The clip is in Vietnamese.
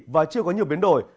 và chưa có nhiều biến đổi